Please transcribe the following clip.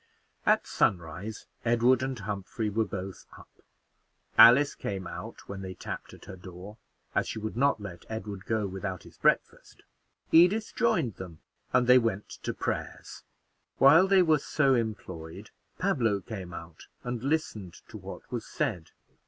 At sunrise, Edward and Humphrey were both up; Alice came out when they tapped at her door, as she would not let Edward go without his breakfast. Edith joined them, and they went to prayers. While they were so employed, Pablo came out and listened to what was said.